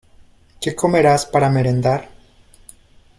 ¿Qué comerás para merendar?